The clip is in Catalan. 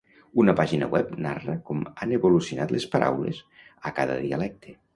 Una pàgina web narra com han evolucionat les paraules a cada dialecte.